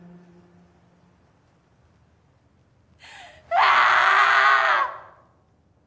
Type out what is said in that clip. ああ！